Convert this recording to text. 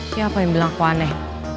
siapa yang bilang kok aneh